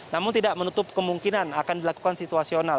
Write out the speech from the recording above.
namun tidak menutup kemungkinan akan dilakukan situasional